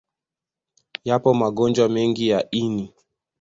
Yapo magonjwa mengi ya ini.